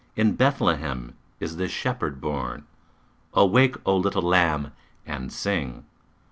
In Bethlehem is the Shepherd born. Awake, O little lamb, and sing!"